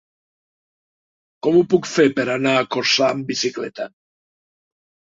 Com ho puc fer per anar a Corçà amb bicicleta?